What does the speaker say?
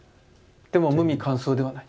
でも無味乾燥ではない。